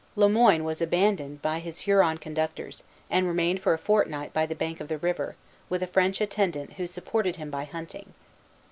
Le Moyne was abandoned by his Huron conductors, and remained for a fortnight by the bank of the river, with a French attendant who supported him by hunting.